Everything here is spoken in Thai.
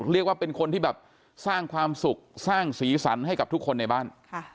เรียกว่าเป็นคนที่แบบสร้างความสุขสร้างสีสันให้กับทุกคนในบ้าน